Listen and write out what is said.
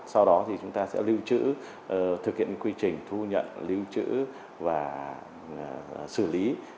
sau đó thì chúng ta sẽ lưu trữ thực hiện quy trình thu nhận lưu trữ và xử lý